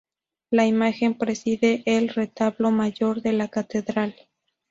La imagen preside el retablo mayor de la catedral.